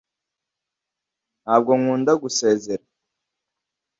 ntabwo nkunda gusezera